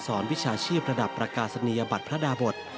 เป็นการสอนวิชาชีพระดับประกาศนียบัตรพระดาบท